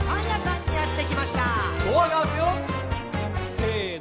せの。